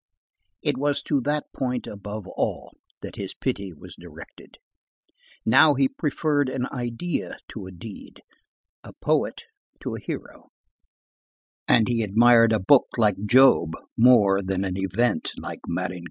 It was to that point above all, that his pity was directed. Now he preferred an idea to a deed, a poet to a hero, and he admired a book like Job more than an event like Marengo.